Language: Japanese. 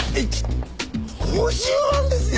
５０万ですよ！